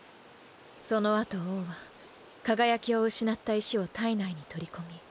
そのあと王は輝きを失った石を体内に取り込み